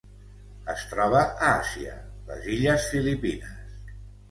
Es troba a Àsia: les illes Filipines.